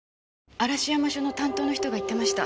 嵐山署の担当の人が言ってました。